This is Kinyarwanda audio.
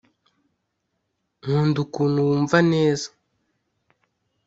nkunda ukuntu wumva neza